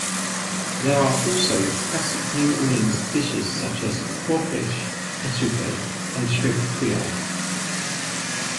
There are also classic New Orleans dishes such as crawfish etouffee and shrimp Creole.